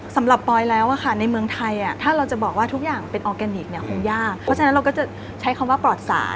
ปอยแล้วในเมืองไทยถ้าเราจะบอกว่าทุกอย่างเป็นออร์แกนิคเนี่ยคงยากเพราะฉะนั้นเราก็จะใช้คำว่าปลอดศาล